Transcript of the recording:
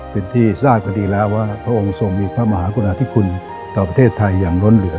เป็นที่ทราบกันดีแล้วว่าพระองค์ทรงมีพระมหากุณาธิคุณต่อประเทศไทยอย่างล้นเหลือ